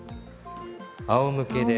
あおむけで。